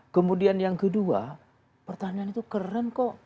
kemudian yang kedua pertanian itu keren kok